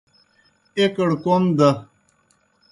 ایْکڑ کوْم دہ